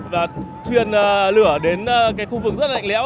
và truyền lửa đến khu vực rất là lạnh lẽo